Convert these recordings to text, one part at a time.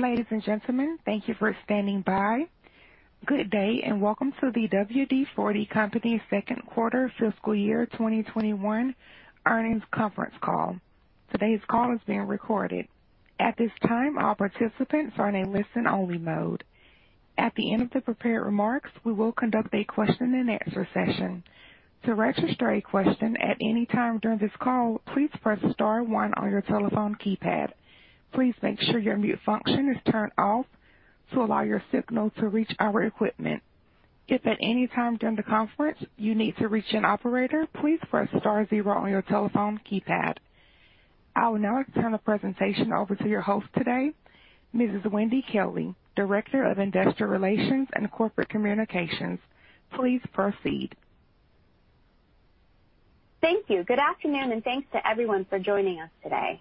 Ladies and gentlemen, thank you for standing by. Good day and welcome to the WD-40 Company Second Quarter Fiscal Year 2021 Earnings Conference Call. Today's call is being recorded. At this time, all participants are in a listen-only mode. At the end of the prepared remarks, we will conduct a question and answer session. To register a question at any time during this call, please press star one on your telephone keypad. Please make sure your mute function is turned off to allow your signal to reach our equipment. If at any time during the conference you need to reach an operator, please press star zero on your telephone keypad. I will now turn the presentation over to your host today, Mrs. Wendy Kelley, Director of Investor Relations and Corporate Communications. Please proceed. Thank you. Good afternoon. Thanks to everyone for joining us today.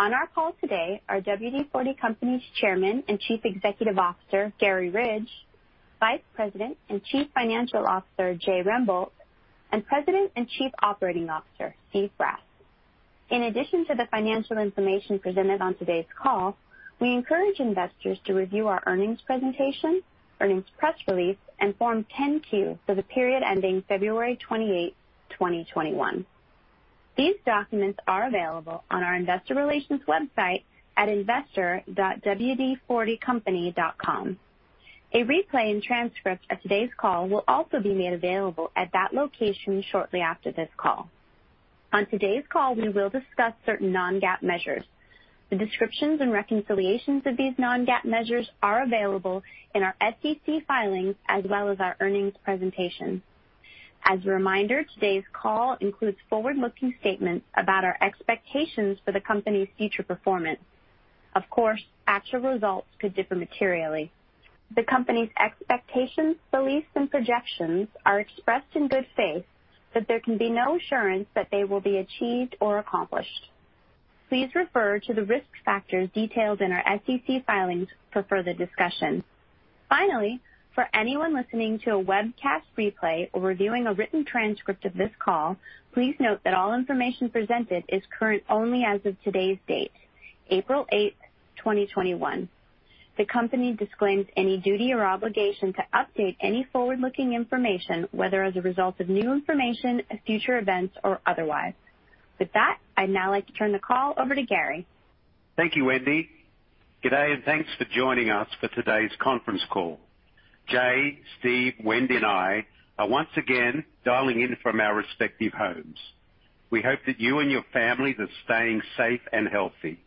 On our call today are WD-40 Company's Chairman and Chief Executive Officer, Garry Ridge, Vice President and Chief Financial Officer, Jay Rembold, and President and Chief Operating Officer, Steve Brass. In addition to the financial information presented on today's call, we encourage investors to review our earnings presentation, earnings press release, and Form 10-Q for the period ending February 28, 2021. These documents are available on our investor relations website at investor.wd40company.com. A replay and transcript of today's call will also be made available at that location shortly after this call. On today's call, we will discuss certain non-GAAP measures. The descriptions and reconciliations of these non-GAAP measures are available in our SEC filings as well as our earnings presentation. As a reminder, today's call includes forward-looking statements about our expectations for the company's future performance. Of course, actual results could differ materially. The company's expectations, beliefs, and projections are expressed in good faith, but there can be no assurance that they will be achieved or accomplished. Please refer to the risk factors detailed in our SEC filings for further discussion. Finally, for anyone listening to a webcast replay or reviewing a written transcript of this call, please note that all information presented is current only as of today's date, April 8th, 2021. The company disclaims any duty or obligation to update any forward-looking information, whether as a result of new information, future events, or otherwise. With that, I'd now like to turn the call over to Garry. Thank you, Wendy. Good day, and thanks for joining us for today's conference call. Jay, Steve, Wendy, and I are once again dialing in from our respective homes. We hope that you and your families are staying safe and healthy.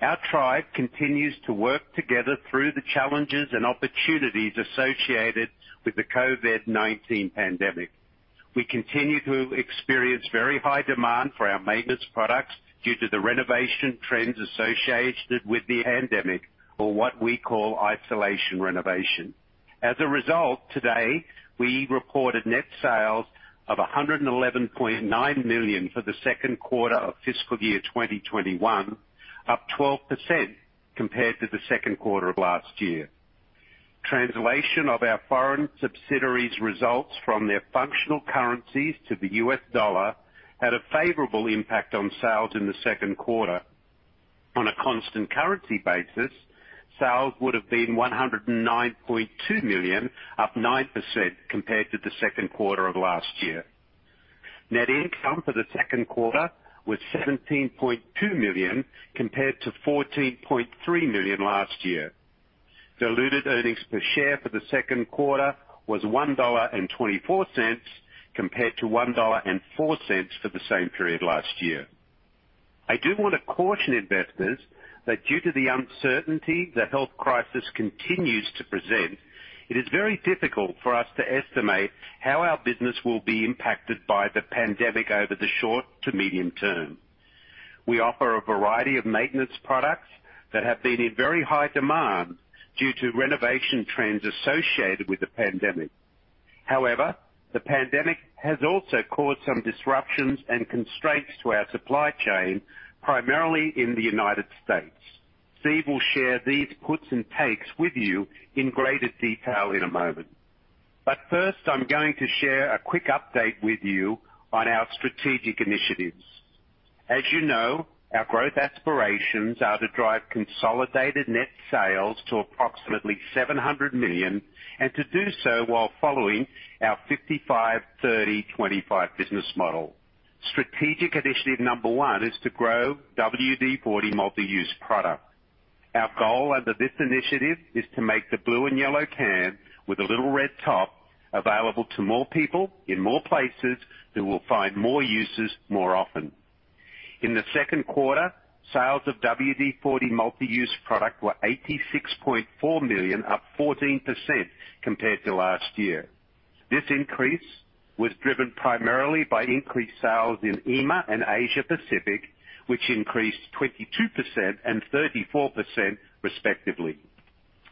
Our tribe continues to work together through the challenges and opportunities associated with the COVID-19 pandemic. We continue to experience very high demand for our maintenance products due to the renovation trends associated with the pandemic or what we call isolation renovation. As a result, today, we reported net sales of $111.9 million for the second quarter of fiscal year 2021, up 12% compared to the second quarter of last year. Translation of our foreign subsidiaries results from their functional currencies to the US dollar had a favorable impact on sales in the second quarter. On a constant currency basis, sales would have been $109.2 million, up 9% compared to the second quarter of last year. Net income for the second quarter was $17.2 million, compared to $14.3 million last year. Diluted earnings per share for the second quarter was $1.24, compared to $1.04 for the same period last year. I do want to caution investors that due to the uncertainty the health crisis continues to present, it is very difficult for us to estimate how our business will be impacted by the pandemic over the short to medium term. We offer a variety of maintenance products that have been in very high demand due to renovation trends associated with the pandemic. The pandemic has also caused some disruptions and constraints to our supply chain, primarily in the United States. Steve will share these puts and takes with you in greater detail in a moment. First, I'm going to share a quick update with you on our strategic initiatives. As you know, our growth aspirations are to drive consolidated net sales to approximately $700 million and to do so while following our 55/30/25 business model. Strategic initiative number one is to grow WD-40 Multi-Use Product. Our goal under this initiative is to make the blue and yellow can with a little red top available to more people in more places who will find more uses more often. In the second quarter, sales of WD-40 Multi-Use Product were $86.4 million, up 14% compared to last year. This increase was driven primarily by increased sales in EIMEA and Asia Pacific, which increased 22% and 34% respectively.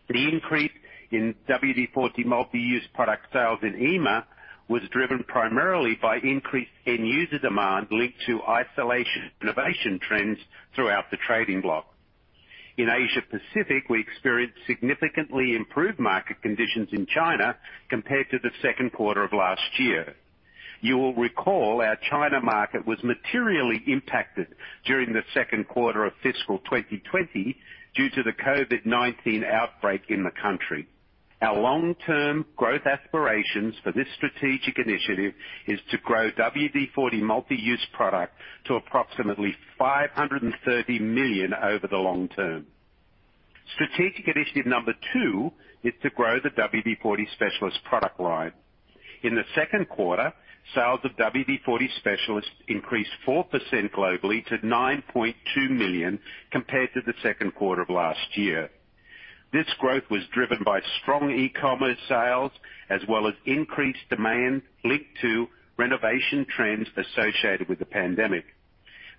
The increase in WD-40 Multi-Use Product sales in EIMEA was driven primarily by increased end-user demand linked to isolation renovation trends throughout the trading block. In Asia Pacific, we experienced significantly improved market conditions in China compared to the second quarter of last year. You will recall our China market was materially impacted during the second quarter of fiscal 2020 due to the COVID-19 outbreak in the country. Our long-term growth aspirations for this strategic initiative is to grow WD-40 Multi-Use Product to approximately $530 million over the long term. Strategic initiative number two is to grow the WD-40 Specialist product line. In the second quarter, sales of WD-40 Specialist increased 4% globally to $9.2 million compared to the second quarter of last year. This growth was driven by strong e-commerce sales, as well as increased demand linked to renovation trends associated with the pandemic.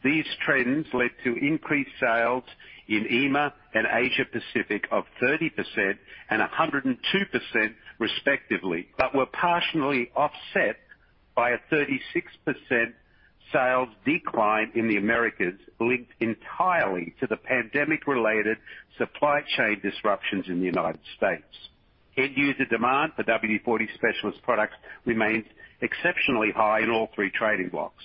These trends led to increased sales in EMEA and Asia Pacific of 30% and 102% respectively, but were partially offset by a 36% sales decline in the Americas, linked entirely to the pandemic-related supply chain disruptions in the United States. End user demand for WD-40 Specialist products remains exceptionally high in all three trading blocks.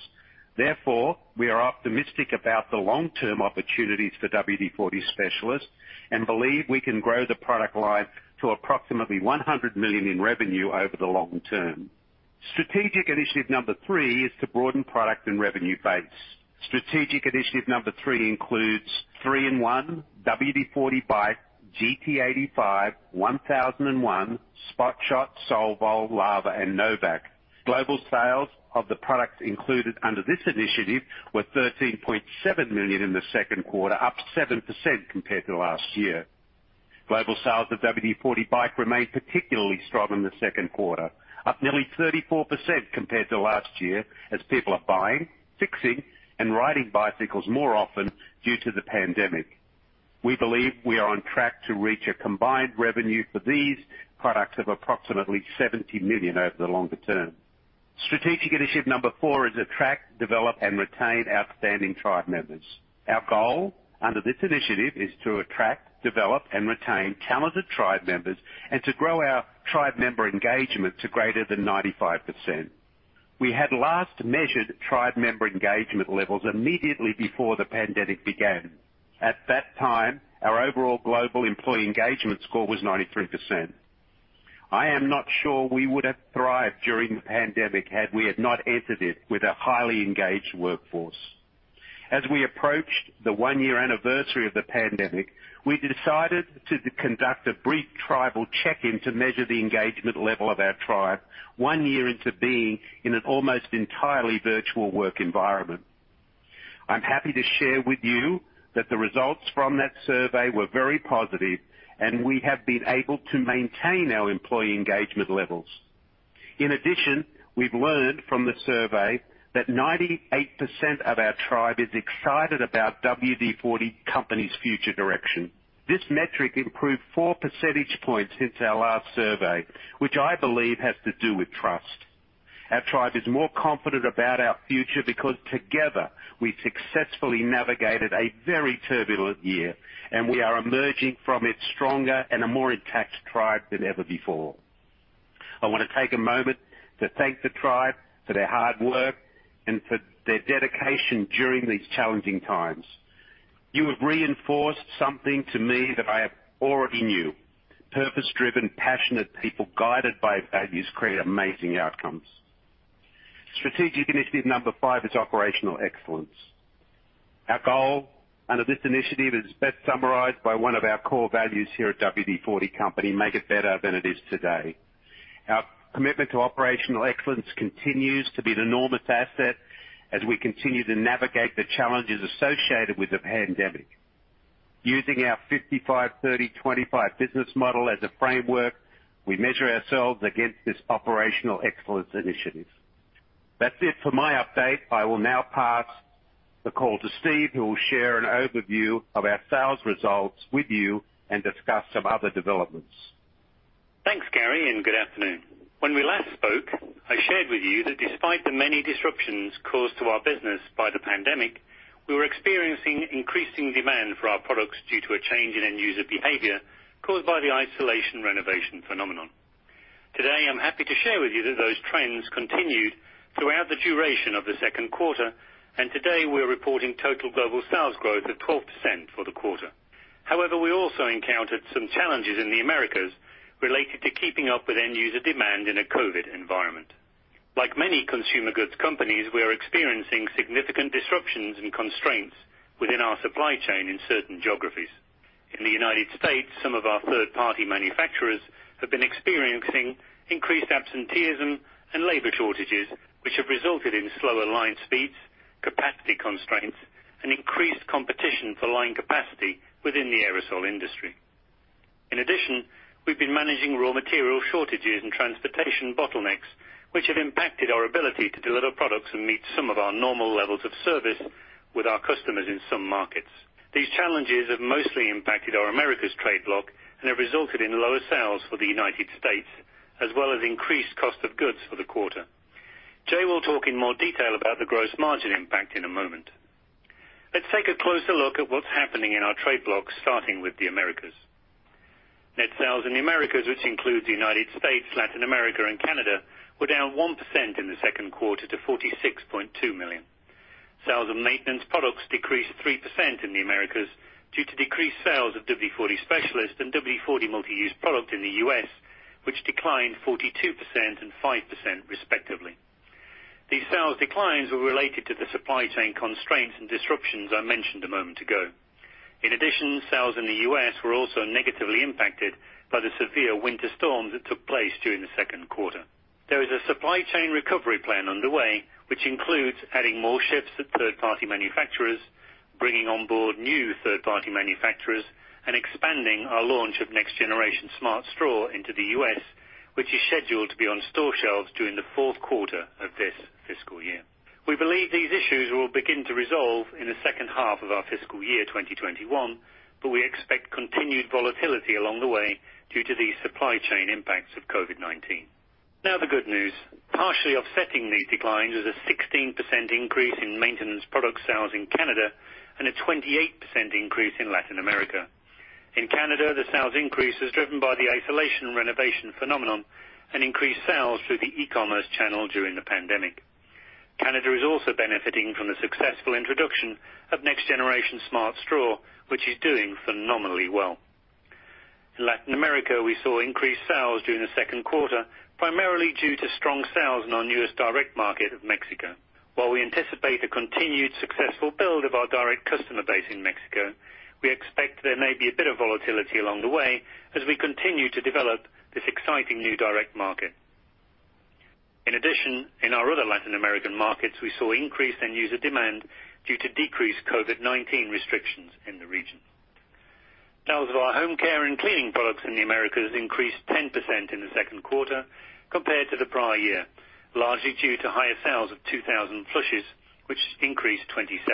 Therefore, we are optimistic about the long-term opportunities for WD-40 Specialist, and believe we can grow the product line to approximately $100 million in revenue over the long term. Strategic initiative number three is to broaden product and revenue base. Strategic initiative number three includes 3-IN-ONE, WD-40 BIKE, GT85, 1001, Spot Shot, Solvol, Lava, and no vac. Global sales of the products included under this initiative were $13.7 million in the second quarter, up 7% compared to last year. Global sales of WD-40 BIKE remained particularly strong in the second quarter, up nearly 34% compared to last year as people are buying, fixing, and riding bicycles more often due to the pandemic. We believe we are on track to reach a combined revenue for these products of approximately $70 million over the longer term. Strategic initiative number four is attract, develop, and retain outstanding tribe members. Our goal under this initiative is to attract, develop, and retain talented tribe members, and to grow our tribe member engagement to greater than 95%. We had last measured tribe member engagement levels immediately before the pandemic began. At that time, our overall global employee engagement score was 93%. I am not sure we would have thrived during the pandemic had we not entered it with a highly engaged workforce. As we approached the one-year anniversary of the pandemic, we decided to conduct a brief tribal check-in to measure the engagement level of our tribe one year into being in an almost entirely virtual work environment. I'm happy to share with you that the results from that survey were very positive, and we have been able to maintain our employee engagement levels. In addition, we've learned from the survey that 98% of our tribe is excited about WD-40 Company's future direction. This metric improved four percentage points since our last survey, which I believe has to do with trust. Our tribe is more confident about our future because together, we successfully navigated a very turbulent year, and we are emerging from it stronger and a more intact tribe than ever before. I want to take a moment to thank the tribe for their hard work and for their dedication during these challenging times. You have reinforced something to me that I already knew. Purpose-driven, passionate people, guided by values, create amazing outcomes. Strategic Initiative Number Five is Operational Excellence. Our goal under this initiative is best summarized by one of our core values here at WD-40 Company, Make it better than it is today. Our commitment to operational excellence continues to be an enormous asset as we continue to navigate the challenges associated with the pandemic. Using our 55/30/25 business model as a framework, we measure ourselves against this Operational Excellence initiative. That's it for my update. I will now pass the call to Steve, who will share an overview of our sales results with you and discuss some other developments. Thanks, Garry, and good afternoon. When we last spoke, I shared with you that despite the many disruptions caused to our business by the pandemic, we were experiencing increasing demand for our products due to a change in end-user behavior caused by the isolation renovation phenomenon. I'm happy to share with you that those trends continued throughout the duration of the second quarter, and today we're reporting total global sales growth of 12% for the quarter. We also encountered some challenges in the Americas related to keeping up with end-user demand in a COVID environment. Like many consumer goods companies, we are experiencing significant disruptions and constraints within our supply chain in certain geographies. In the U.S., some of our third-party manufacturers have been experiencing increased absenteeism and labor shortages, which have resulted in slower line speeds, capacity constraints, and increased competition for line capacity within the aerosol industry. In addition, we've been managing raw material shortages and transportation bottlenecks, which have impacted our ability to deliver products and meet some of our normal levels of service with our customers in some markets. These challenges have mostly impacted our Americas trade block and have resulted in lower sales for the U.S., as well as increased cost of goods for the quarter. Jay will talk in more detail about the gross margin impact in a moment. Let's take a closer look at what's happening in our trade blocks, starting with the Americas. Net sales in the Americas, which includes the United States, Latin America, and Canada, were down 1% in the second quarter to $46.2 million. Sales of maintenance products decreased 3% in the Americas due to decreased sales of WD-40 Specialist and WD-40 Multi-Use Product in the U.S., which declined 42% and 5% respectively. These sales declines were related to the supply chain constraints and disruptions I mentioned a moment ago. In addition, sales in the U.S. were also negatively impacted by the severe winter storms that took place during the second quarter. There is a supply chain recovery plan underway, which includes adding more shifts at third-party manufacturers, bringing on board new third-party manufacturers, and expanding our launch of next-generation Smart Straw into the U.S., which is scheduled to be on store shelves during the fourth quarter of this fiscal year. We believe these issues will begin to resolve in the second half of our fiscal year 2021, but we expect continued volatility along the way due to the supply chain impacts of COVID-19. The good news. Partially offsetting these declines is a 16% increase in maintenance product sales in Canada and a 28% increase in Latin America. In Canada, the sales increase is driven by the isolation renovation phenomenon and increased sales through the e-commerce channel during the pandemic. Canada is also benefiting from the successful introduction of next-generation Smart Straw, which is doing phenomenally well. In Latin America, we saw increased sales during the second quarter, primarily due to strong sales in our newest direct market of Mexico. While we anticipate a continued successful build of our direct customer base in Mexico, we expect there may be a bit of volatility along the way as we continue to develop this exciting new direct market. In addition, in our other Latin American markets, we saw increased end-user demand due to decreased COVID-19 restrictions in the region. Sales of our home care and cleaning products in the Americas increased 10% in the second quarter compared to the prior year, largely due to higher sales of 2000 Flushes, which increased 27%.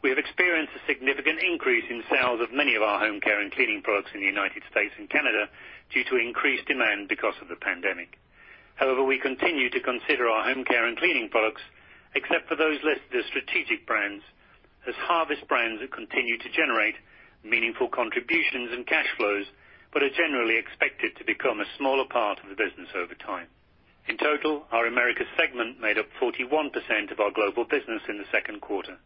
We have experienced a significant increase in sales of many of our home care and cleaning products in the United States and Canada due to increased demand because of the pandemic. However, we continue to consider our home care and cleaning products, except for those listed as strategic brands, as harvest brands that continue to generate meaningful contributions and cash flows, but are generally expected to become a smaller part of the business over time. In total, our Americas Segment made up 41% of our global business in the second quarter.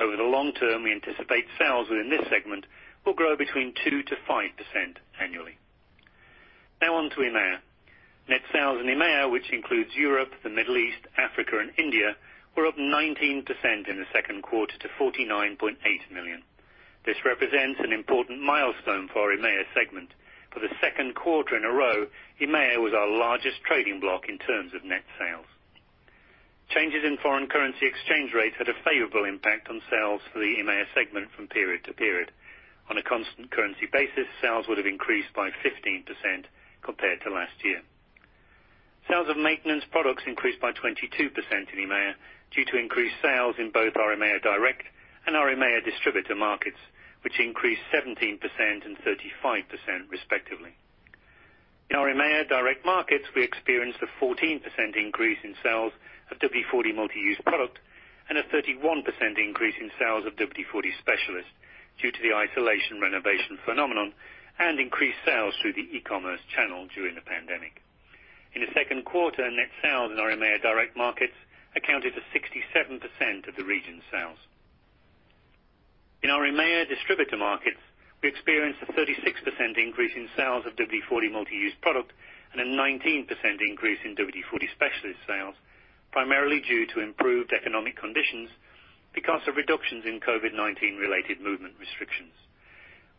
Over the long term, we anticipate sales within this segment will grow between 2% to 5% annually. Now on to EMEA. Net sales in EMEA, which includes Europe, the Middle East, Africa, and India, were up 19% in the second quarter to $49.8 million. This represents an important milestone for our EMEA Segment. For the second quarter in a row, EMEA was our largest trading block in terms of net sales. Changes in foreign currency exchange rates had a favorable impact on sales for the EIMEA segment from period to period. On a constant currency basis, sales would have increased by 15% compared to last year. Sales of maintenance products increased by 22% in EIMEA due to increased sales in both our EIMEA direct and our EIMEA distributor markets, which increased 17% and 35% respectively. In our EIMEA direct markets, we experienced a 14% increase in sales of WD-40 Multi-Use Product and a 31% increase in sales of WD-40 Specialist due to the isolation renovation phenomenon and increased sales through the e-commerce channel during the pandemic. In the second quarter, net sales in our EIMEA direct markets accounted to 67% of the region's sales. In our EMEA distributor markets, we experienced a 36% increase in sales of WD-40 Multi-Use Product and a 19% increase in WD-40 Specialist sales, primarily due to improved economic conditions because of reductions in COVID-19 related movement restrictions.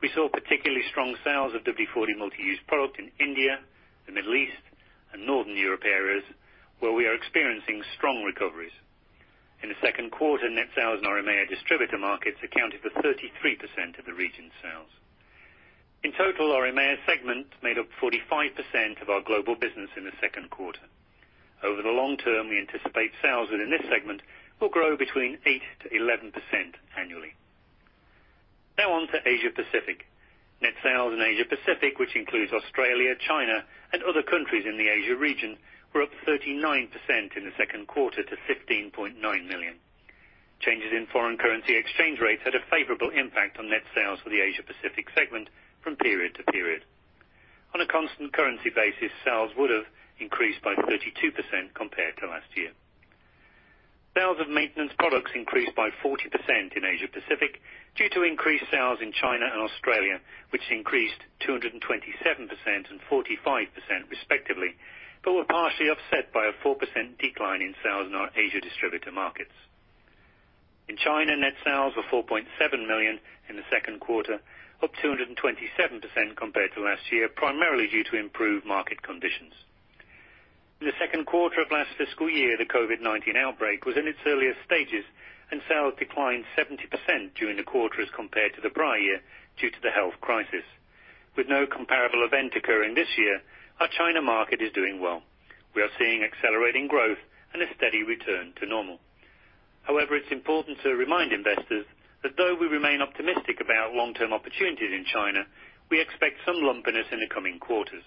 We saw particularly strong sales of WD-40 Multi-Use Product in India, the Middle East, and Northern Europe areas where we are experiencing strong recoveries. In the second quarter, net sales in our EMEA distributor markets accounted for 33% of the region's sales. In total, our EMEA segment made up 45% of our global business in the second quarter. Over the long term, we anticipate sales within this segment will grow between 8%-11% annually. On to Asia Pacific. Net sales in Asia Pacific, which includes Australia, China, and other countries in the Asia region, were up 39% in the second quarter to $15.9 million. Changes in foreign currency exchange rates had a favorable impact on net sales for the Asia Pacific segment from period to period. On a constant currency basis, sales would have increased by 32% compared to last year. Sales of maintenance products increased by 40% in Asia Pacific due to increased sales in China and Australia, which increased 227% and 45% respectively, but were partially offset by a 4% decline in sales in our Asia distributor markets. In China, net sales were $4.7 million in the second quarter, up 227% compared to last year, primarily due to improved market conditions. In the second quarter of last fiscal year, the COVID-19 outbreak was in its earliest stages and sales declined 70% during the quarter as compared to the prior year due to the health crisis. With no comparable event occurring this year, our China market is doing well. We are seeing accelerating growth and a steady return to normal. It's important to remind investors that though we remain optimistic about long-term opportunities in China, we expect some lumpiness in the coming quarters.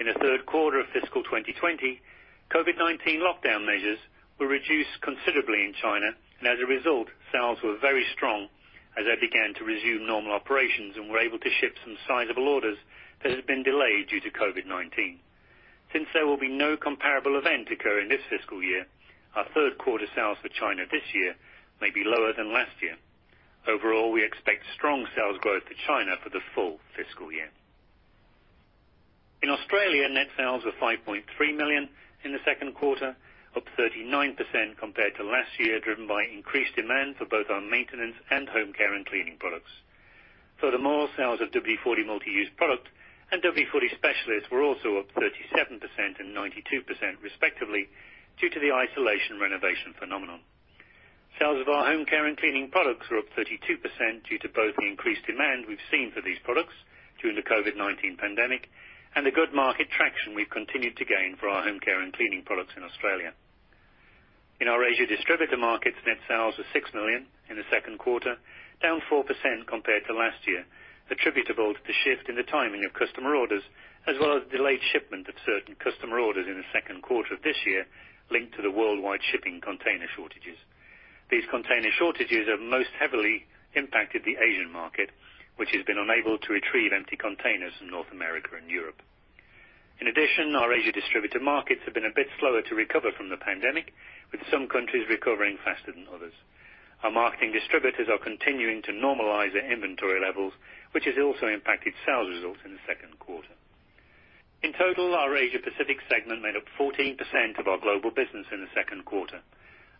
In the third quarter of fiscal 2020, COVID-19 lockdown measures were reduced considerably in China. As a result, sales were very strong as they began to resume normal operations and were able to ship some sizable orders that had been delayed due to COVID-19. Since there will be no comparable event occurring this fiscal year, our third quarter sales for China this year may be lower than last year. We expect strong sales growth to China for the full fiscal year. In Australia, net sales were $5.3 million in the second quarter, up 39% compared to last year, driven by increased demand for both our maintenance and homecare and cleaning products. Furthermore, sales of WD-40 Multi-Use Product and WD-40 Specialist were also up 37% and 92% respectively due to the isolation renovation phenomenon. Sales of our home care and cleaning products were up 32% due to both the increased demand we've seen for these products during the COVID-19 pandemic and the good market traction we've continued to gain for our home care and cleaning products in Australia. In our Asia distributor markets, net sales were $6 million in the second quarter, down 4% compared to last year, attributable to the shift in the timing of customer orders as well as delayed shipment of certain customer orders in the second quarter of this year linked to the worldwide shipping container shortages. These container shortages have most heavily impacted the Asian market, which has been unable to retrieve empty containers from North America and Europe. Our Asia distributor markets have been a bit slower to recover from the pandemic, with some countries recovering faster than others. Our marketing distributors are continuing to normalize their inventory levels, which has also impacted sales results in the second quarter. Our Asia Pacific segment made up 14% of our global business in the second quarter.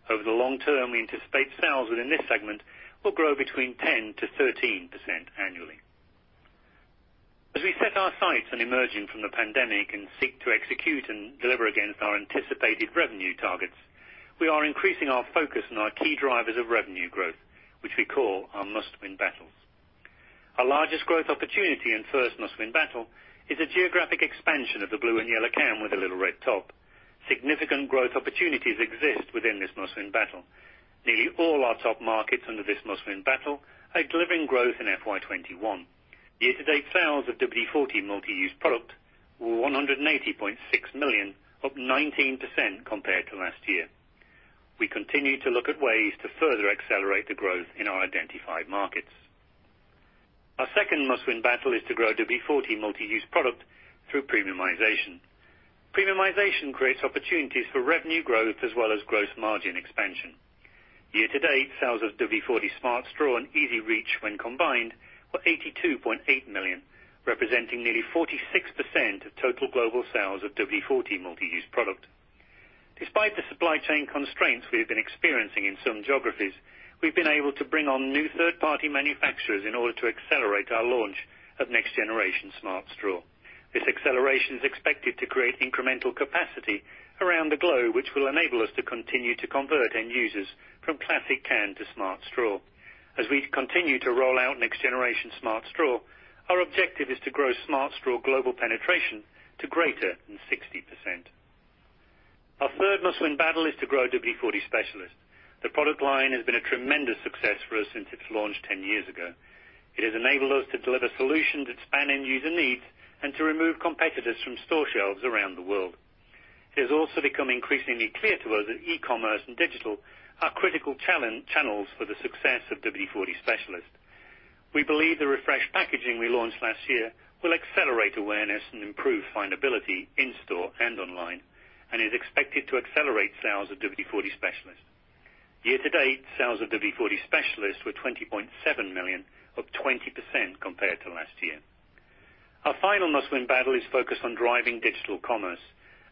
Over the long term, we anticipate sales within this segment will grow between 10%-13% annually. We set our sights on emerging from the pandemic and seek to execute and deliver against our anticipated revenue targets, we are increasing our focus on our key drivers of revenue growth, which we call our must-win battles. Our largest growth opportunity and first must-win battle is the geographic expansion of the blue and yellow can with a little red top. Significant growth opportunities exist within this must-win battle. Nearly all our top markets under this must-win battle are delivering growth in FY 2021. Year-to-date sales of WD-40 Multi-Use Product were $180.6 million, up 19% compared to last year. We continue to look at ways to further accelerate the growth in our identified markets. Our second must-win battle is to grow WD-40 Multi-Use Product through premiumization. Premiumization creates opportunities for revenue growth as well as gross margin expansion. Year-to-date, sales of WD-40 Smart Straw and EZ-Reach, when combined, were $82.8 million, representing nearly 46% of total global sales of WD-40 Multi-Use Product. Despite the supply chain constraints we have been experiencing in some geographies, we've been able to bring on new third-party manufacturers in order to accelerate our launch of next-generation Smart Straw. This acceleration is expected to create incremental capacity around the globe, which will enable us to continue to convert end users from classic can to Smart Straw. As we continue to roll out next-generation Smart Straw, our objective is to grow Smart Straw global penetration to greater than 60%. Our third must-win battle is to grow WD-40 Specialist. The product line has been a tremendous success for us since its launch 10 years ago. It has enabled us to deliver solutions that span end-user needs and to remove competitors from store shelves around the world. It has also become increasingly clear to us that e-commerce and digital are critical channels for the success of WD-40 Specialist. We believe the refreshed packaging we launched last year will accelerate awareness and improve findability in store and online, and is expected to accelerate sales of WD-40 Specialist. Year-to-date, sales of WD-40 Specialist were $20.7 million, up 20% compared to last year. Our final must-win battle is focused on driving digital commerce.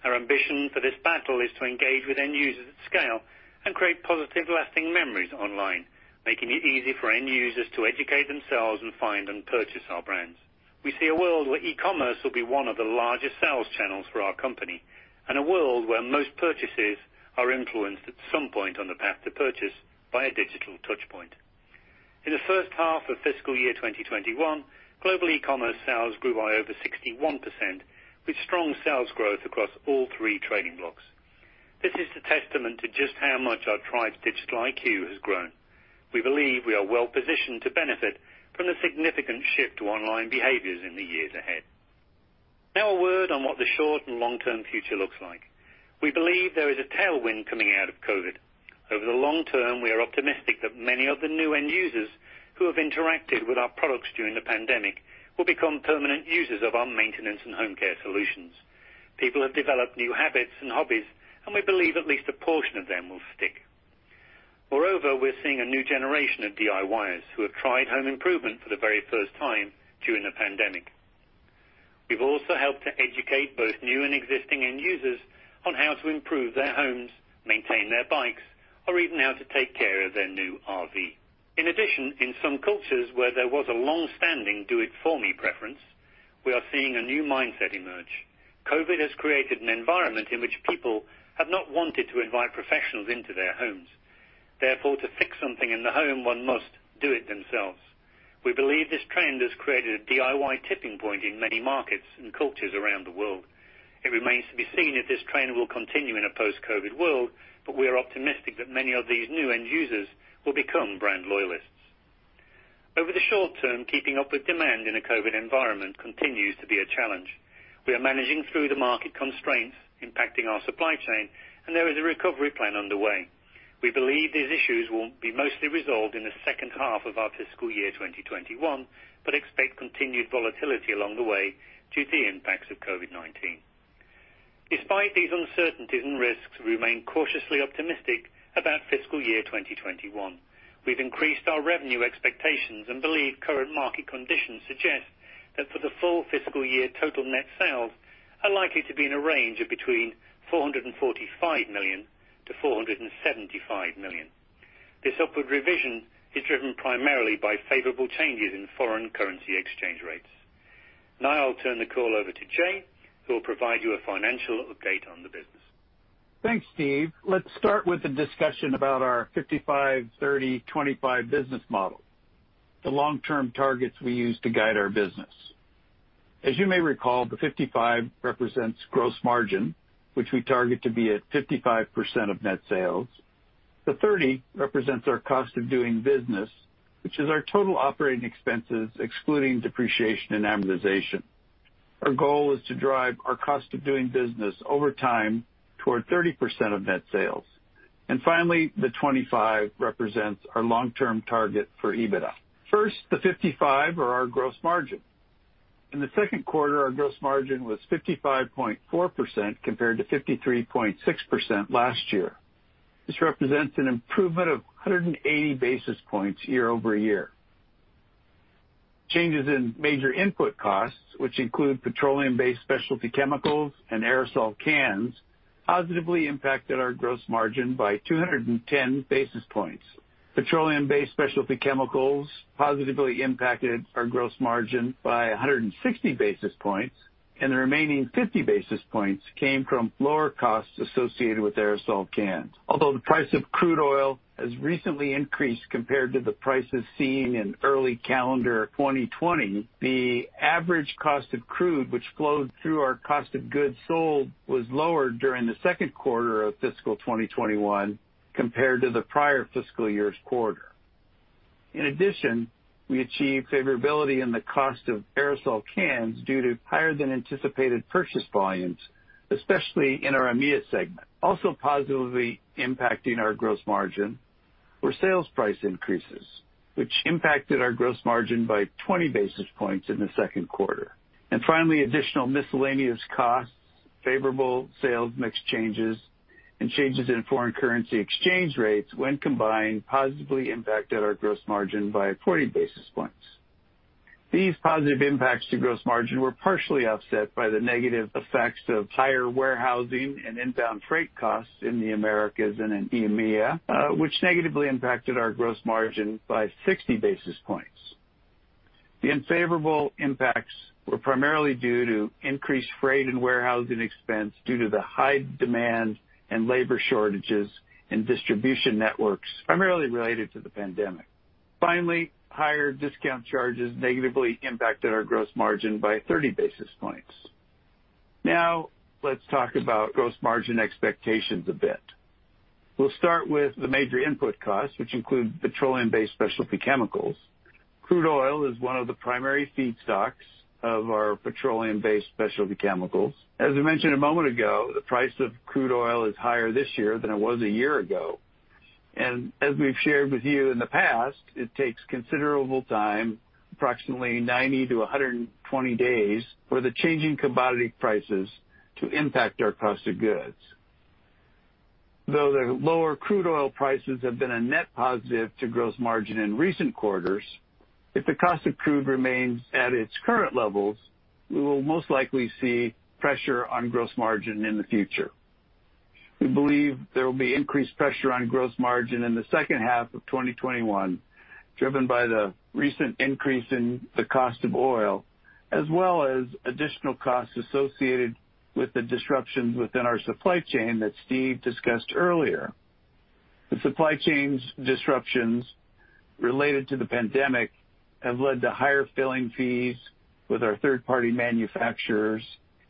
Our ambition for this battle is to engage with end users at scale and create positive, lasting memories online, making it easy for end users to educate themselves and find and purchase our brands. We see a world where e-commerce will be one of the largest sales channels for our company, and a world where most purchases are influenced at some point on the path to purchase by a digital touchpoint. In the first half of fiscal year 2021, global e-commerce sales grew by over 61%, with strong sales growth across all three trading blocks. This is a testament to just how much our tribe's digital IQ has grown. We believe we are well-positioned to benefit from the significant shift to online behaviors in the years ahead. Now a word on what the short and long-term future looks like. We believe there is a tailwind coming out of COVID-19. Over the long term, we are optimistic that many of the new end users who have interacted with our products during the pandemic will become permanent users of our maintenance and home care solutions. People have developed new habits and hobbies, and we believe at least a portion of them will stick. Moreover, we're seeing a new generation of DIYers who have tried home improvement for the very first time during the pandemic. We've also helped to educate both new and existing end users on how to improve their homes, maintain their bikes, or even how to take care of their new RV. In addition, in some cultures where there was a long-standing do it for me preference, we are seeing a new mindset emerge. COVID has created an environment in which people have not wanted to invite professionals into their homes. Therefore, to fix something in the home, one must do it themselves. We believe this trend has created a DIY tipping point in many markets and cultures around the world. It remains to be seen if this trend will continue in a post-COVID world, but we are optimistic that many of these new end users will become brand loyalists. Over the short term, keeping up with demand in a COVID environment continues to be a challenge. We are managing through the market constraints impacting our supply chain, and there is a recovery plan underway. We believe these issues will be mostly resolved in the second half of our fiscal year 2021, but expect continued volatility along the way due to the impacts of COVID-19. Despite these uncertainties and risks, we remain cautiously optimistic about fiscal year 2021. We've increased our revenue expectations and believe current market conditions suggest that for the full fiscal year, total net sales are likely to be in a range of between $445 million-$475 million. This upward revision is driven primarily by favorable changes in foreign currency exchange rates. Now I'll turn the call over to Jay, who will provide you a financial update on the business. Thanks, Steve. Let's start with a discussion about our 55/30/25 business model, the long-term targets we use to guide our business. As you may recall, the 55 represents gross margin, which we target to be at 55% of net sales. The 30 represents our cost of doing business, which is our total operating expenses, excluding depreciation and amortization. Our goal is to drive our cost of doing business over time toward 30% of net sales. Finally, the 25 represents our long-term target for EBITDA. First, the 55 or our gross margin. In the second quarter, our gross margin was 55.4% compared to 53.6% last year. This represents an improvement of 180 basis points year-over-year. Changes in major input costs, which include petroleum-based specialty chemicals and aerosol cans, positively impacted our gross margin by 210 basis points. Petroleum-based specialty chemicals positively impacted our gross margin by 160 basis points, and the remaining 50 basis points came from lower costs associated with aerosol cans. Although the price of crude oil has recently increased compared to the prices seen in early calendar 2020, the average cost of crude which flowed through our cost of goods sold was lower during the second quarter of fiscal 2021 compared to the prior fiscal year's quarter. In addition, we achieved favorability in the cost of aerosol cans due to higher than anticipated purchase volumes, especially in our EIMEA segment. Also positively impacting our gross margin were sales price increases, which impacted our gross margin by 20 basis points in the second quarter. Finally, additional miscellaneous costs, favorable sales mix changes, and changes in foreign currency exchange rates when combined, positively impacted our gross margin by 40 basis points. These positive impacts to gross margin were partially offset by the negative effects of higher warehousing and inbound freight costs in the Americas and in EMEA, which negatively impacted our gross margin by 60 basis points. The unfavorable impacts were primarily due to increased freight and warehousing expense due to the high demand and labor shortages in distribution networks, primarily related to the pandemic. Finally, higher discount charges negatively impacted our gross margin by 30 basis points. Now, let's talk about gross margin expectations a bit. We'll start with the major input costs, which include petroleum-based specialty chemicals. Crude oil is one of the primary feedstocks of our petroleum-based specialty chemicals. As we mentioned a moment ago, the price of crude oil is higher this year than it was a year ago. As we've shared with you in the past, it takes considerable time, approximately 90-120 days, for the changing commodity prices to impact our cost of goods. Though the lower crude oil prices have been a net positive to gross margin in recent quarters, if the cost of crude remains at its current levels, we will most likely see pressure on gross margin in the future. We believe there will be increased pressure on gross margin in the second half of 2021, driven by the recent increase in the cost of oil, as well as additional costs associated with the disruptions within our supply chain that Steve discussed earlier. The supply chains disruptions related to the pandemic have led to higher filling fees with our third-party manufacturers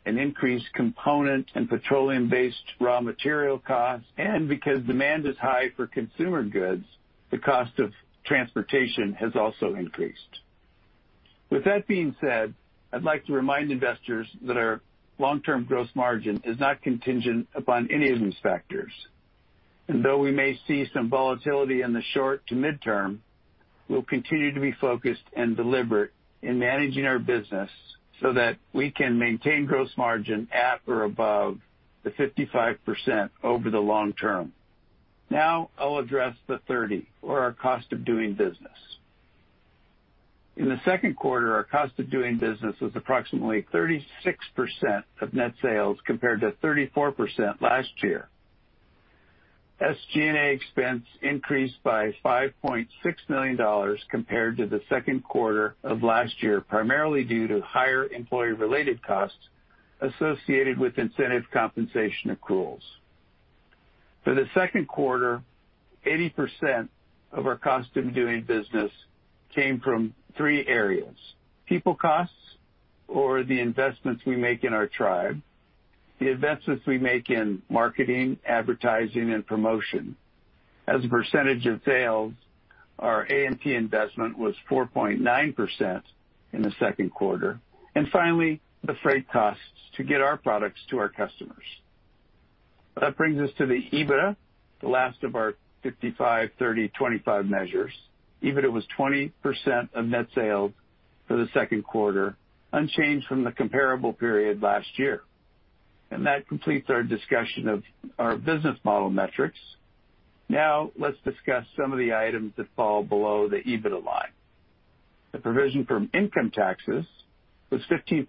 and increased component and petroleum-based raw material costs. Because demand is high for consumer goods, the cost of transportation has also increased. With that being said, I'd like to remind investors that our long-term gross margin is not contingent upon any of these factors. Though we may see some volatility in the short to midterm, we'll continue to be focused and deliberate in managing our business so that we can maintain gross margin at or above the 55% over the long term. I'll address the 30 or our cost of doing business. In the second quarter, our cost of doing business was approximately 36% of net sales, compared to 34% last year. SG&A expense increased by $5.6 million compared to the second quarter of last year, primarily due to higher employee-related costs associated with incentive compensation accruals. For the second quarter, 80% of our cost of doing business came from three areas: people costs or the investments we make in our tribe. The investments we make in marketing, advertising, and promotion. As a percentage of sales, our A&P investment was 4.9% in the second quarter. Finally, the freight costs to get our products to our customers. That brings us to the EBITDA, the last of our 55, 30, 25 measures. EBITDA was 20% of net sales for the second quarter, unchanged from the comparable period last year. That completes our discussion of our business model metrics. Now, let's discuss some of the items that fall below the EBITDA line. The provision for income taxes was 15%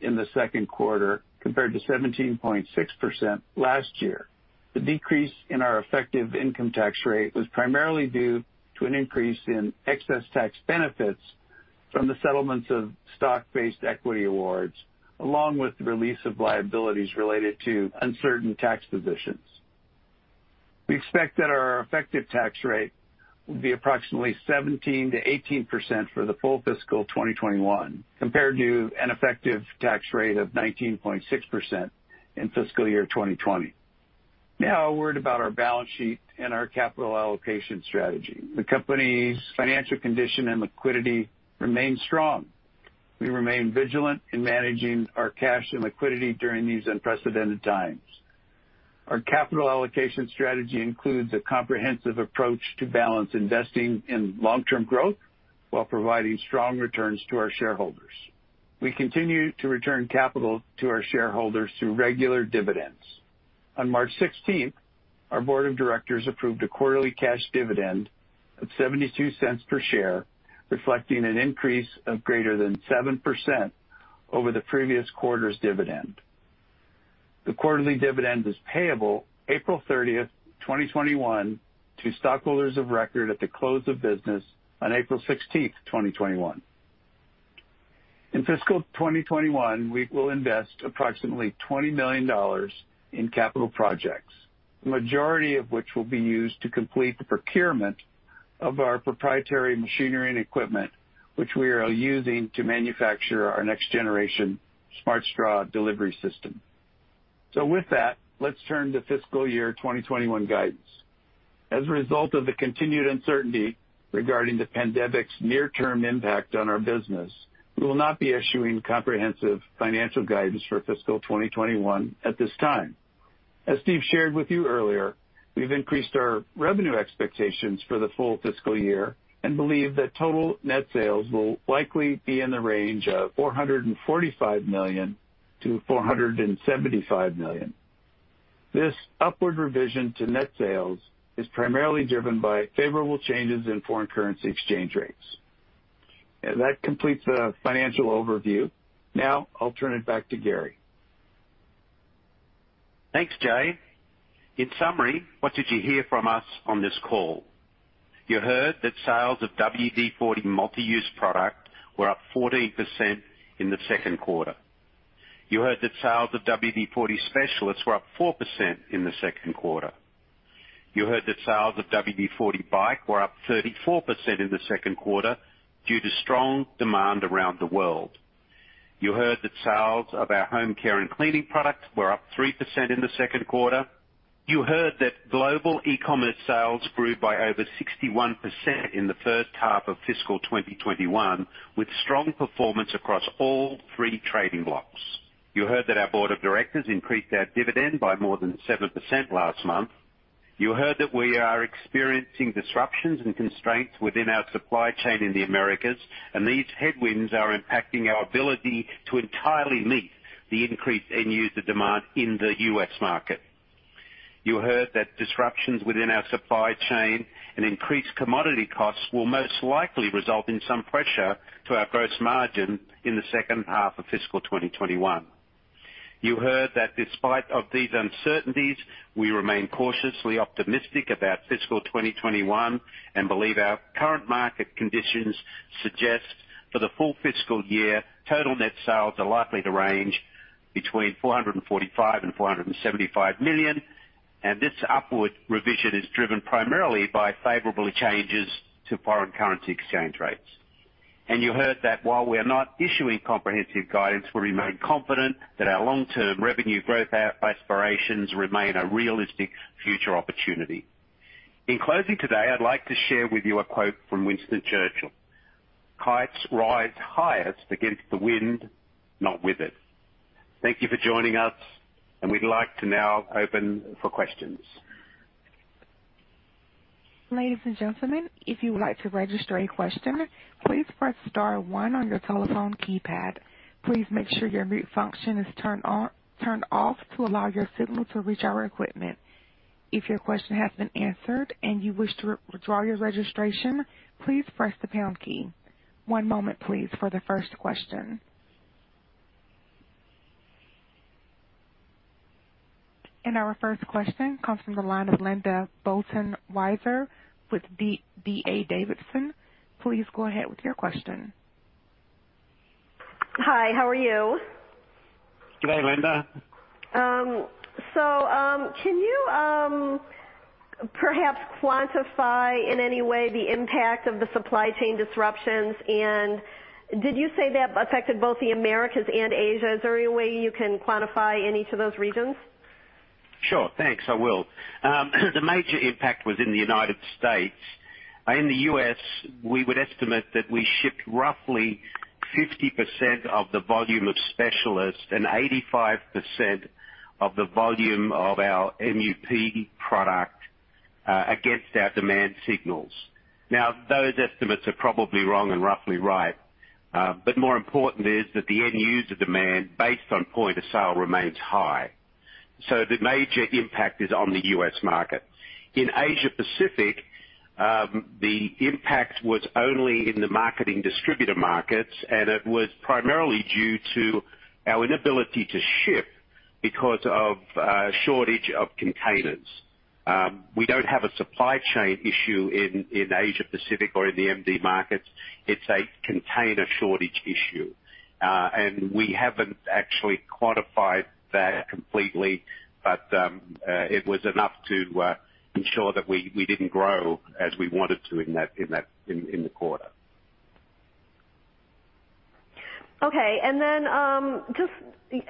in the second quarter, compared to 17.6% last year. The decrease in our effective income tax rate was primarily due to an increase in excess tax benefits from the settlements of stock-based equity awards, along with the release of liabilities related to uncertain tax positions. We expect that our effective tax rate will be approximately 17%-18% for the full fiscal 2021, compared to an effective tax rate of 19.6% in fiscal year 2020. Now, a word about our balance sheet and our capital allocation strategy. The company's financial condition and liquidity remain strong. We remain vigilant in managing our cash and liquidity during these unprecedented times. Our capital allocation strategy includes a comprehensive approach to balance investing in long-term growth while providing strong returns to our shareholders. We continue to return capital to our shareholders through regular dividends. On March 16th, our board of directors approved a quarterly cash dividend of $0.72 per share, reflecting an increase of greater than 7% over the previous quarter's dividend. The quarterly dividend is payable April 30th, 2021, to stockholders of record at the close of business on April 16th, 2021. In fiscal 2021, we will invest approximately $20 million in capital projects, the majority of which will be used to complete the procurement of our proprietary machinery and equipment, which we are using to manufacture our next generation Smart Straw delivery system. With that, let's turn to fiscal year 2021 guidance. As a result of the continued uncertainty regarding the pandemic's near-term impact on our business, we will not be issuing comprehensive financial guidance for fiscal 2021 at this time. As Steve shared with you earlier, we've increased our revenue expectations for the full fiscal year and believe that total net sales will likely be in the range of $445 million-$475 million. This upward revision to net sales is primarily driven by favorable changes in foreign currency exchange rates. That completes the financial overview. Now, I'll turn it back to Garry. Thanks, Jay. In summary, what did you hear from us on this call? You heard that sales of WD-40 Multi-Use Product were up 14% in the second quarter. You heard that sales of WD-40 Specialist were up 4% in the second quarter. You heard that sales of WD-40 BIKE were up 34% in the second quarter due to strong demand around the world. You heard that sales of our homecare and cleaning products were up 3% in the second quarter. You heard that global e-commerce sales grew by over 61% in the first half of fiscal 2021, with strong performance across all three trading blocks. You heard that our board of directors increased our dividend by more than 7% last month. You heard that we are experiencing disruptions and constraints within our supply chain in the Americas, and these headwinds are impacting our ability to entirely meet the increased end-user demand in the U.S. market. You heard that disruptions within our supply chain and increased commodity costs will most likely result in some pressure to our gross margin in the second half of fiscal 2021. You heard that despite of these uncertainties, we remain cautiously optimistic about fiscal 2021 and believe our current market conditions suggest for the full fiscal year, total net sales are likely to range between $445 and $475 million, and this upward revision is driven primarily by favorable changes to foreign currency exchange rates. You heard that while we are not issuing comprehensive guidance, we remain confident that our long-term revenue growth aspirations remain a realistic future opportunity. In closing today, I'd like to share with you a quote from Winston Churchill, "Kites rise highest against the wind, not with it." Thank you for joining us. We'd like to now open for questions. Our first question comes from the line of Linda Bolton-Weiser with D.A. Davidson. Please go ahead with your question. Hi, how are you? Good day, Linda. So can you perhaps quantify in any way the impact of the supply chain disruptions, and did you say that affected both the Americas and Asia? Is there any way you can quantify in each of those regions? Sure. Thanks. I will. The major impact was in the United States. In the U.S., we would estimate that we shipped roughly 50% of the volume of Specialist and 85% of the volume of our MUP product against our demand signals. Those estimates are probably wrong and roughly right. More important is that the end user demand, based on point of sale, remains high. The major impact is on the U.S. market. In Asia Pacific, the impact was only in the marketing distributor markets, and it was primarily due to our inability to ship because of a shortage of containers. We don't have a supply chain issue in Asia Pacific or in the MD markets. It's a container shortage issue. We haven't actually quantified that completely, but it was enough to ensure that we didn't grow as we wanted to in the quarter. Okay.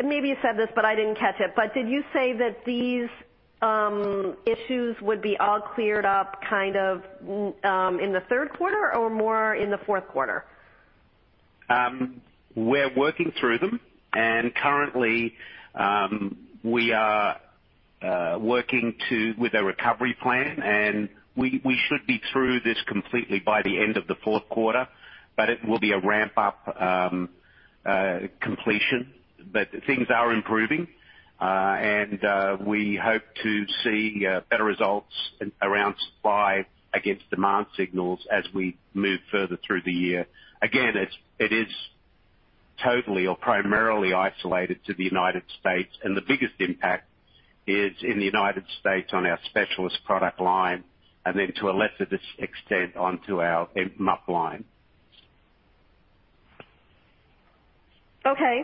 Maybe you said this, but I didn't catch it, but did you say that these issues would be all cleared up in the third quarter or more in the fourth quarter? We're working through them, and currently, we are working with a recovery plan, and we should be through this completely by the end of the fourth quarter. It will be a ramp-up completion. Things are improving. We hope to see better results around supply against demand signals as we move further through the year. Again, it is totally or primarily isolated to the United States, and the biggest impact is in the United States on our Specialist product line and then to a lesser extent, onto our MUP line. Okay.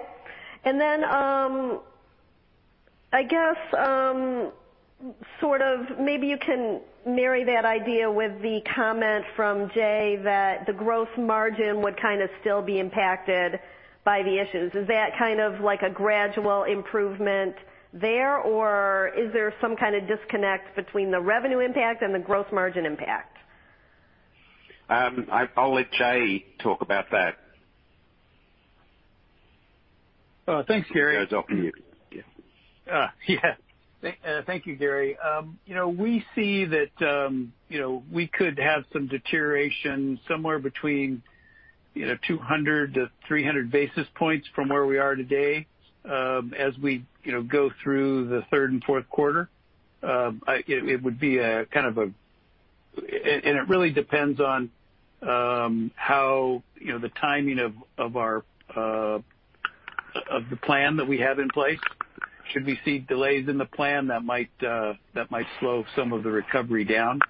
Maybe you can marry that idea with the comment from Jay that the gross margin would kind of still be impacted by the issues. Is that a gradual improvement there, or is there some kind of disconnect between the revenue impact and the gross margin impact? I'll let Jay talk about that. Thanks, Garry. I think Jay's off mute. Yeah. Yeah. Thank you, Garry. We see that we could have some deterioration somewhere between 200 to 300 basis points from where we are today, as we go through the third and fourth quarter. It really depends on the timing of the plan that we have in place. Should we see delays in the plan, that might slow some of the recovery down.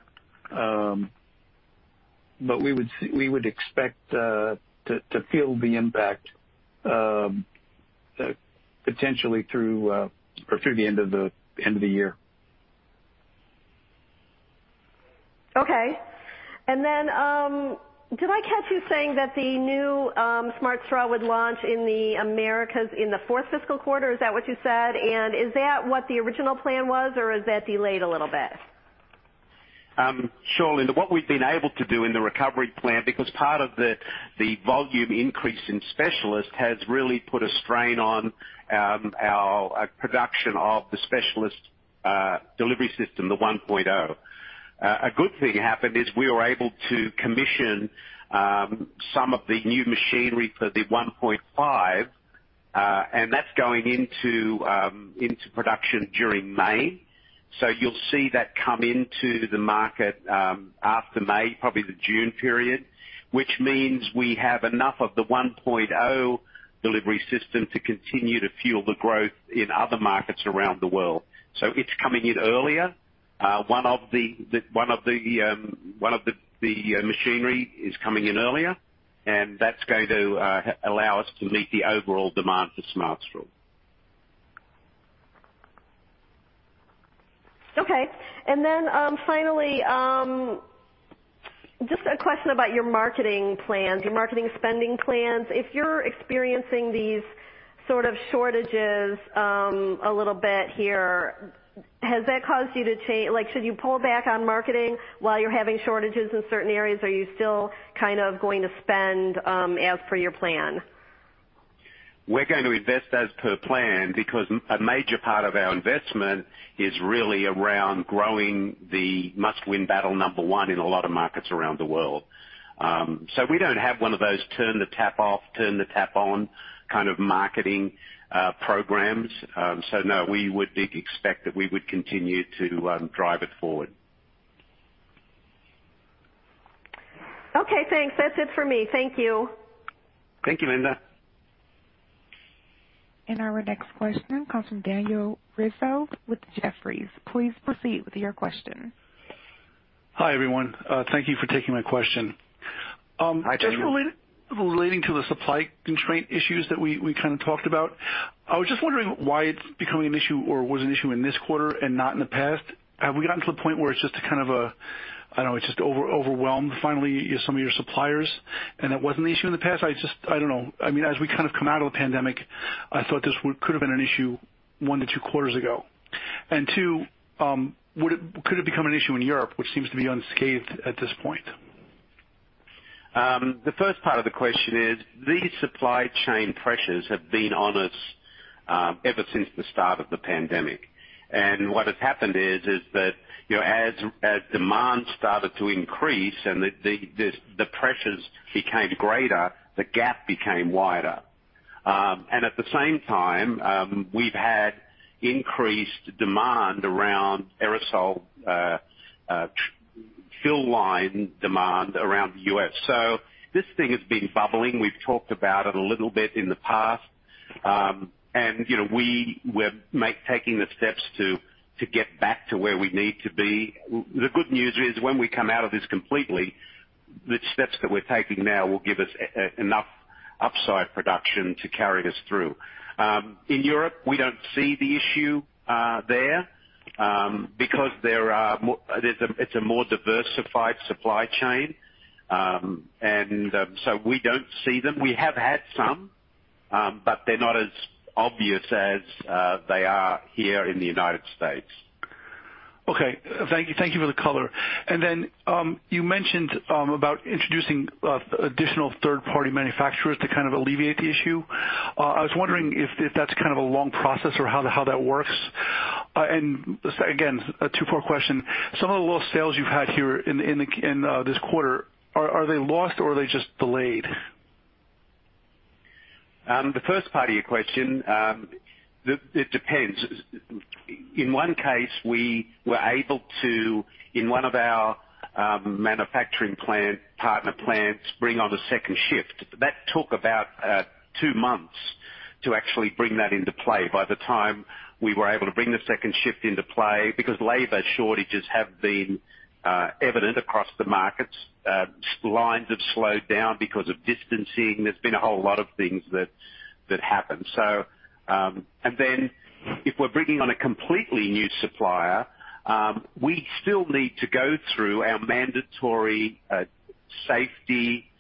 We would expect to feel the impact potentially through the end of the year. Okay. Did I catch you saying that the new Smart Straw would launch in the Americas in the fourth fiscal quarter, or is that what you said? Is that what the original plan was, or is that delayed a little bit? Sure, Linda. What we've been able to do in the recovery plan, because part of the volume increase in WD-40 Specialist has really put a strain on our production of the WD-40 Specialist delivery system, the 1.0. A good thing happened is we were able to commission some of the new machinery for the 1.5, and that's going into production during May. You'll see that come into the market after May, probably the June period, which means we have enough of the 1.0 delivery system to continue to fuel the growth in other markets around the world. It's coming in earlier. One of the machinery is coming in earlier, and that's going to allow us to meet the overall demand for Smart Straw. Okay. Finally, just a question about your marketing plans, your marketing spending plans. If you're experiencing these sort of shortages a little bit here, should you pull back on marketing while you're having shortages in certain areas, or are you still going to spend as per your plan? We're going to invest as per plan because a major part of our investment is really around growing the must-win battle number 1 in a lot of markets around the world. We don't have one of those turn the tap off, turn the tap on kind of marketing programs. No, we would expect that we would continue to drive it forward. Okay, thanks. That's it for me. Thank you. Thank you, Linda. Our next question comes from Daniel Rizzo with Jefferies. Please proceed with your question. Hi, everyone. Thank you for taking my question. Hi, Daniel. Just relating to the supply constraint issues that we kind of talked about, I was just wondering why it's becoming an issue or was an issue in this quarter and not in the past. Have we gotten to the point where it's just overwhelmed finally some of your suppliers and that wasn't the issue in the past? I don't know. As we kind of come out of the pandemic, I thought this could've been an issue one to two quarters ago. Two, could it become an issue in Europe, which seems to be unscathed at this point? The first part of the question is, these supply chain pressures have been on us ever since the start of the pandemic. What has happened is that, as demand started to increase and the pressures became greater, the gap became wider. At the same time, we've had increased demand around aerosol fill line demand around the U.S. This thing has been bubbling. We've talked about it a little bit in the past. We're taking the steps to get back to where we need to be. The good news is, when we come out of this completely, the steps that we're taking now will give us enough upside production to carry us through. In Europe, we don't see the issue there, because it's a more diversified supply chain. We don't see them. We have had some, but they're not as obvious as they are here in the U.S. Okay. Thank you for the color. You mentioned about introducing additional third-party manufacturers to kind of alleviate the issue. I was wondering if that's kind of a long process or how that works. Again, a two-part question. Some of the lost sales you've had here in this quarter, are they lost or are they just delayed? The first part of your question, it depends. In one case, we were able to, in one of our manufacturing partner plants, bring on a second shift. That took about two months to actually bring that into play. By the time we were able to bring the second shift into play, because labor shortages have been evident across the markets, lines have slowed down because of distancing. There's been a whole lot of things that happened. If we're bringing on a completely new supplier, we still need to go through our mandatory safety,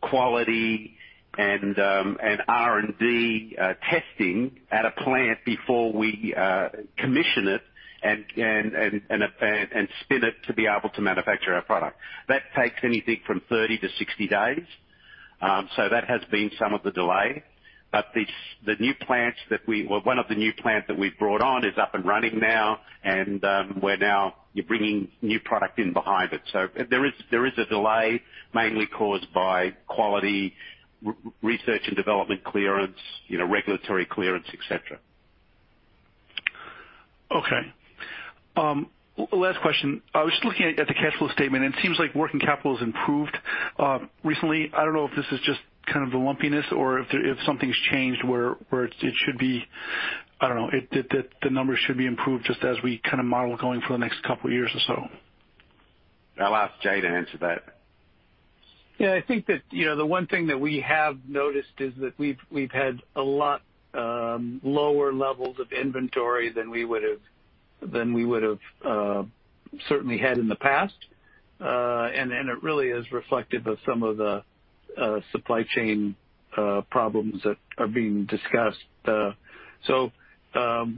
quality, and R&D testing at a plant before we commission it and spin it to be able to manufacture our product. That takes anything from 30-60 days. That has been some of the delay. One of the new plants that we've brought on is up and running now, and we're now bringing new product in behind it. There is a delay mainly caused by quality, research and development clearance, regulatory clearance, et cetera. Okay. Last question. I was just looking at the cash flow statement. It seems like working capital has improved recently. I don't know if this is just kind of the lumpiness or if something's changed where the numbers should be improved just as we kind of model going for the next couple of years or so. I'll ask Jay to answer that. Yeah, I think that the one thing that we have noticed is that we've had a lot lower levels of inventory than we would've certainly had in the past. It really is reflective of some of the supply chain problems that are being discussed.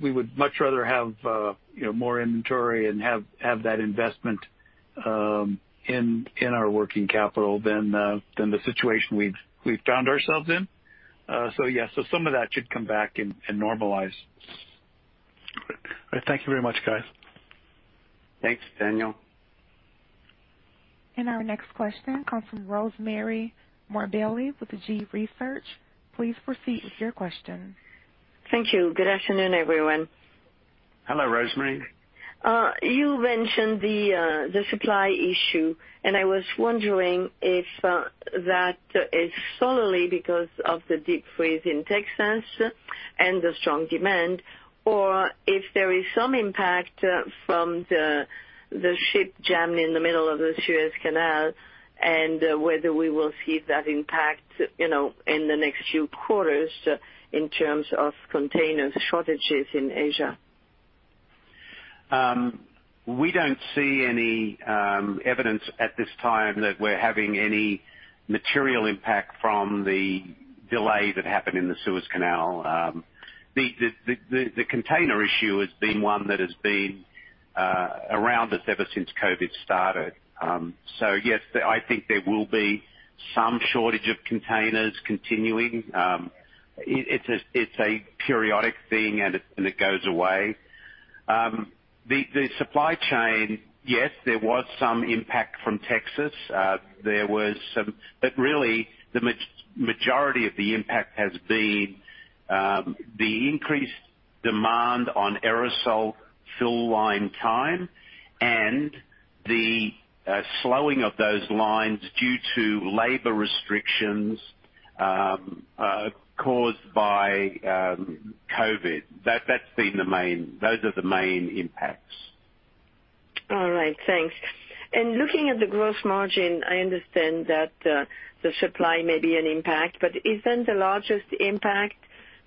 We would much rather have more inventory and have that investment in our working capital than the situation we've found ourselves in. Yeah, so some of that should come back and normalize. All right. Thank you very much, guys. Thanks, Daniel. Our next question comes from Rosemary Morbilli with Gabelli & Company. Please proceed with your question. Thank you. Good afternoon, everyone. Hello, Rosemary. You mentioned the supply issue. I was wondering if that is solely because of the deep freeze in Texas and the strong demand, or if there is some impact from the ship jammed in the middle of the Suez Canal, and whether we will see that impact in the next few quarters in terms of container shortages in Asia? We don't see any evidence at this time that we're having any material impact from the delay that happened in the Suez Canal. The container issue has been one that has been around us ever since COVID started. Yes, I think there will be some shortage of containers continuing. It's a periodic thing, and it goes away. The supply chain, yes, there was some impact from Texas. Really, the majority of the impact has been the increased demand on aerosol fill line time and the slowing of those lines due to labor restrictions caused by COVID. Those are the main impacts. All right, thanks. Looking at the gross margin, I understand that the supply may be an impact, but isn't the largest impact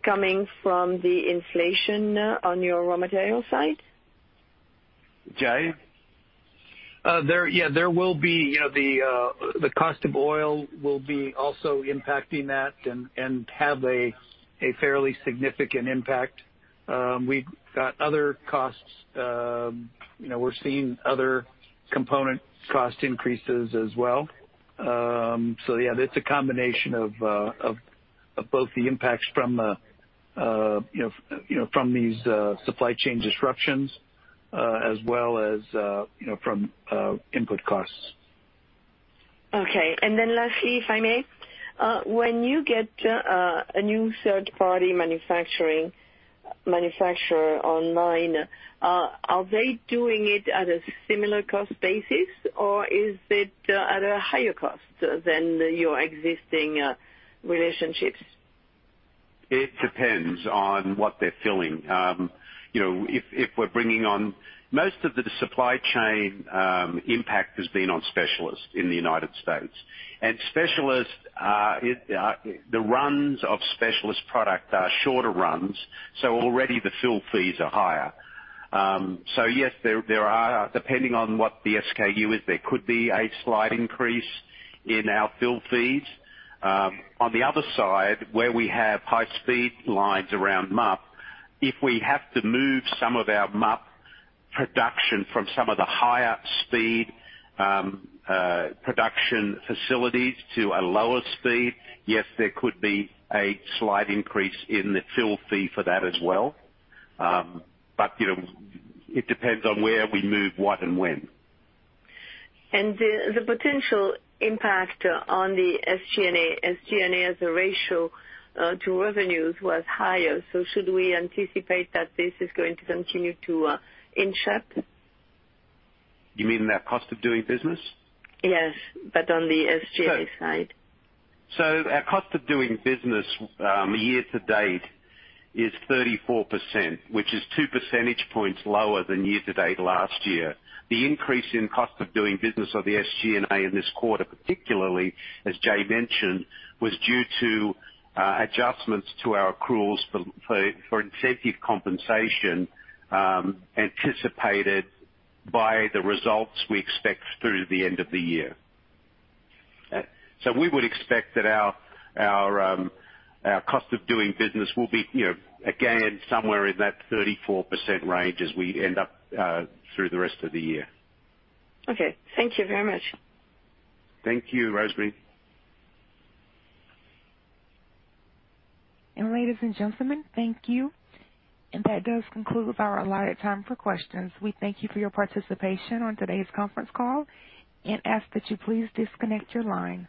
coming from the inflation on your raw material side? Jay? The cost of oil will be also impacting that and have a fairly significant impact. We've got other costs. We're seeing other component cost increases as well. It's a combination of both the impacts from these supply chain disruptions, as well as from input costs. Okay. Lastly, if I may, when you get a new third-party manufacturer online, are they doing it at a similar cost basis or is it at a higher cost than your existing relationships? It depends on what they're filling. Most of the supply chain impact has been on Specialist in the United States. The runs of Specialist product are shorter runs, already the fill fees are higher. Yes, depending on what the SKU is, there could be a slight increase in our fill fees. On the other side, where we have high-speed lines around MUP, if we have to move some of our MUP production from some of the higher speed production facilities to a lower speed, yes, there could be a slight increase in the fill fee for that as well. It depends on where we move what and when. The potential impact on the SG&A as a ratio to revenues was higher. Should we anticipate that this is going to continue to inch up? You mean our cost of doing business? Yes, on the SG&A side. Our cost of doing business year to date is 34%, which is two percentage points lower than year to date last year. The increase in cost of doing business of the SG&A in this quarter, particularly, as Jay mentioned, was due to adjustments to our accruals for incentive compensation anticipated by the results we expect through the end of the year. We would expect that our cost of doing business will be again, somewhere in that 34% range as we end up through the rest of the year. Okay. Thank you very much. Thank you, Rosemary. Ladies and gentlemen, thank you. That does conclude our allotted time for questions. We thank you for your participation on today's conference call and ask that you please disconnect your line.